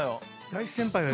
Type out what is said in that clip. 大先輩が。